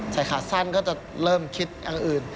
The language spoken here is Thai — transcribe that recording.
ขาสั้นก็จะเริ่มคิดอย่างอื่น